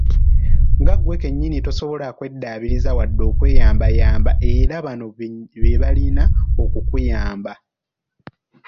Nga ggwe kennyini tosobola kw'eddaabiriza wadde okweyambayamba era nga banno beebalina okukuyamba.